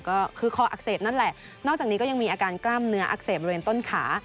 ก็คือคออักเสบนั่นแหละนอกจากนี้ก็ยังมีอาการกล้ามเนื้ออักเสบบริเวณต้นขา